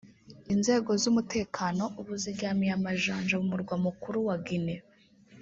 Inzego z’umutekano ubu ziryamiye amajanja mu murwa mukuru wa Guinée